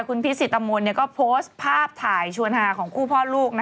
คุณพิสิตมนต์ก็โพสต์ภาพถ่ายชวนหาของคู่พ่อลูก